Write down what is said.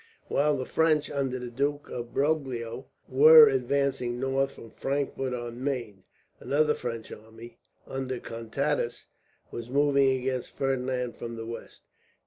While the French, under the Duke of Broglio, were advancing north from Frankfort on Maine; another French army, under Contades, was moving against Ferdinand from the west.